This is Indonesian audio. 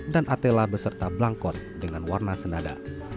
dan atela beserta belangkon dengan warna senada